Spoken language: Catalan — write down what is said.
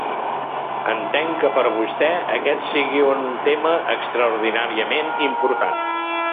Entenc que per vostè aquest sigui un tema extraordinàriament important.